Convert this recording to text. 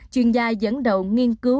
chuyên gia dẫn đầu nghiên cứu